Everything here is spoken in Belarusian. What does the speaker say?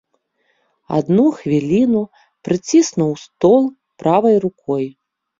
Адну хвіліну прыціснуў стол правай рукой.